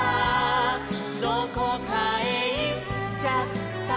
「どこかへいっちゃったしろ」